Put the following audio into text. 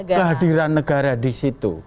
kehadiran negara di situ